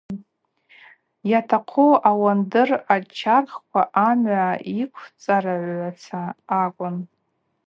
Йатахъу ауандыр ачархква амгӏва йыквцӏрагӏваца акӏвпӏ.